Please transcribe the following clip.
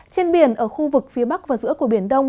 trên biển ở khu vực phía bắc và giữa của biển đông